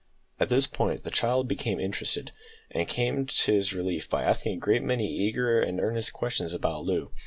At this point the child became interested, and came to his relief by asking a great many eager and earnest questions about Loo.